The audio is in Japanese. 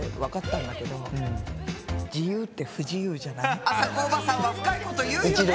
あとねあさこおばさんは深いこと言うよね。